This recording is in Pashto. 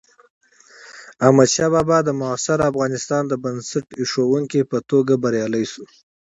احمدشاه بابا د معاصر افغانستان د بنسټ ایښودونکي په توګه بریالی شو.